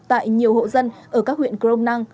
tại nhiều hộ dân ở các huyện crong năng